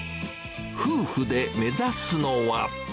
夫婦で目指すのは。